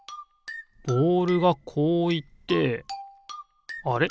ボールがこういってあれ？